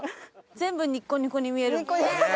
・全部ニッコニコに見える。